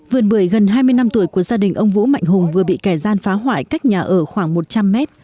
vườn bưởi gần hai mươi năm tuổi của gia đình ông vũ mạnh hùng vừa bị kẻ gian phá hoại cách nhà ở khoảng một trăm linh mét